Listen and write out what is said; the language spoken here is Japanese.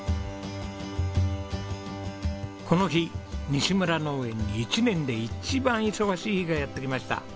この日にしむら農園に一年で一番忙しい日がやってきました。